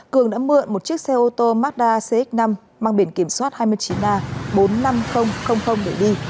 cường đã mượn một chiếc xe ô tô mazda cx năm mang biển kiểm soát hai mươi chín a bốn mươi năm nghìn để đi